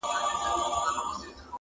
زور کاروي او پرېکړه کوي-